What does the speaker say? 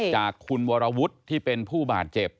จากคุณวรวุฒิที่เป็นผู้บาดเจ็บ